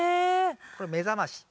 これ目覚まし。